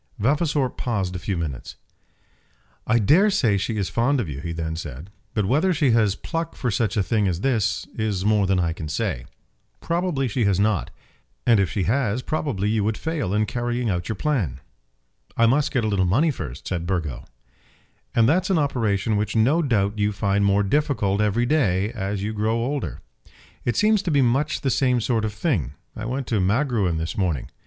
Vavasor paused a few minutes. "I dare say she is fond of you," he then said; "but whether she has pluck for such a thing as this, is more than I can say. Probably she has not. And if she has, probably you would fail in carrying out your plan." "I must get a little money first," said Burgo. "And that's an operation which no doubt you find more difficult every day, as you grow older." "It seems to be much the same sort of thing. I went to Magruin this morning."